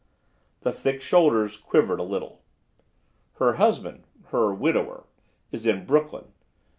The thick shoulders quivered a little. "Her husband—her widower—is in Brooklyn.